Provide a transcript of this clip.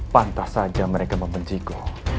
pantas saja mereka membenciku